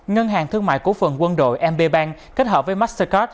ngân hàng thương mại củ phần quân đội mb bank kết hợp với mastercard